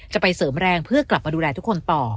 จะไปเสริมแรงเพื่อกลับมาดูแลทุกคนต่อ